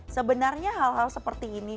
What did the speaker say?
sebenarnya hal hal seperti ini